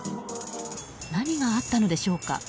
何があったのでしょうか。